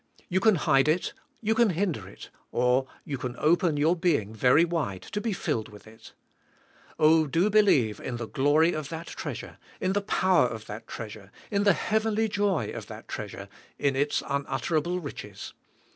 You can hide it, you can hinder it, or, you can open your being very wide to be filled with it. Oh do believe in the glory of that treasure, in the power of that treasure, in the heavenly joy of that treasure, in its unutterable riches.